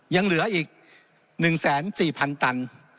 ยังเหลืออีก๑แสน๔พันตัน